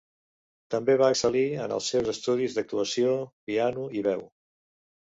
També va excel·lir en els seus estudis d'actuació, piano i veu.